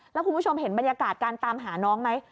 แล้วคุณผู้ชมเห็นบรรยากาศการตามหาน้องไหม